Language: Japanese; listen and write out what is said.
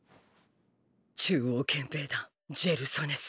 中央憲兵団ジェル・サネス。